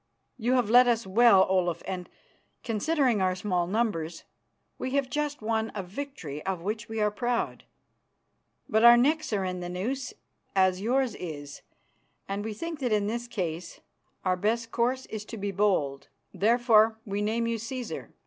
You have led us well, Olaf, and, considering our small numbers, we have just won a victory of which we are proud. But our necks are in the noose, as yours is, and we think that in this case our best course is to be bold. Therefore, we name you Cæsar.